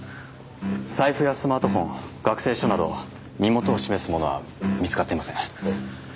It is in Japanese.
財布やスマートフォン学生証など身元を示すものは見つかっていません。